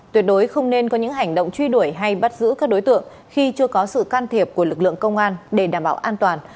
tuyệt đối không nên có những hành động truy đuổi hay bắt giữ các đối tượng khi chưa có sự can thiệp của lực lượng công an để đảm bảo an toàn